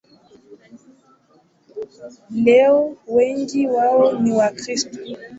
Leo wengi wao ni Wakristo.